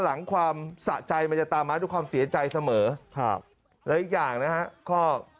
หลังความสะใจมันจะตามมาด้วยความเสียใจเสมอครับแล้วอีกอย่างนะฮะก็